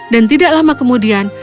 dan tidak lama kemudian